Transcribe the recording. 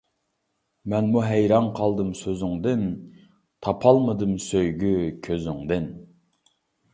مەنمۇ ھەيران قالدىم سۆزۈڭدىن، تاپالمىدىم سۆيگۈ كۆزۈڭدىن.